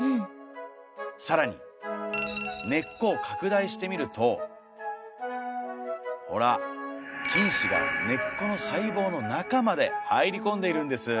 更に根っこを拡大してみるとほら菌糸が根っこの細胞の中まで入り込んでいるんです。